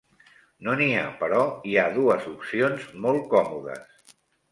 No n'hi ha, però hi ha dues opcions molt còmodes.